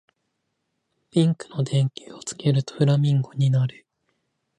ピンクの電球をつけるとフラミンゴになる